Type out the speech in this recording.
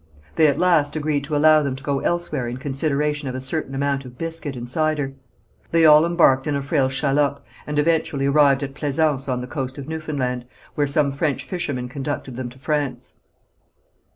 They at last agreed to allow them to go elsewhere in consideration of a certain amount of biscuit and cider. They all embarked in a frail shallop, and eventually arrived at Plaisance on the coast of Newfoundland, where some French fishermen conducted them to France.